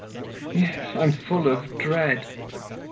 Yes, I'm full of dread.